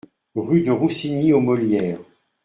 Rue de Roussigny aux Molières